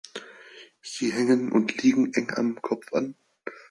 Sie hängen und liegen eng am Kopf an.